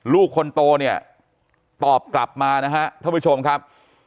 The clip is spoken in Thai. ลูกคนโตเนี่ยตอบกลับมานะฮะท่านผู้ชมครับ